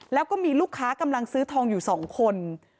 แล้วก็มีลูกค้ากำลังซื้อทองอยู่๒คน